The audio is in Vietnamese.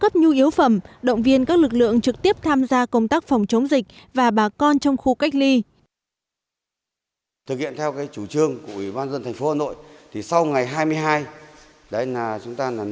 cấp nhu yếu phẩm động viên các lực lượng trực tiếp tham gia công tác phòng chống dịch